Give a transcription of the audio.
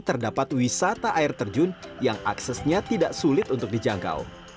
terdapat wisata air terjun yang aksesnya tidak sulit untuk dijangkau